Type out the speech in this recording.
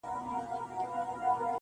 چي یاران ورباندي تللي له ضروره -